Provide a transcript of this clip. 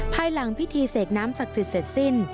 ภายหลังพิธีเสกน้ำศักดิ์สิทธิ์เสร็จสิ้น